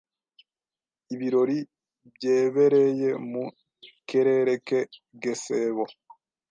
Ibirori byebereye mu kerere ke Gesebo